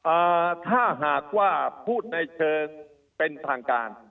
อ่าถ้าหากว่าพูดในเชิงเป็นทางการ